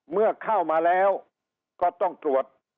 เมื่อเข้ามาแล้วก็ต้องตรวจ